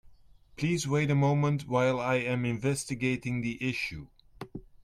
Please wait a moment while I am investigating the issue.